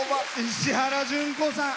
石原詢子さん